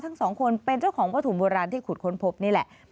ทั้งสองคนเป็นเจ้าของวัตถุโบราณที่ขุดค้นพบนี่แหละ